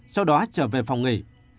sau đó trở về phòng nghỉ